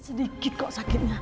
sedikit kok sakitnya